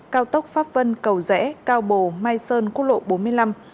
cao tốc pháp vân cầu rẽ cao bồ mai sơn quốc lộ bốn mươi năm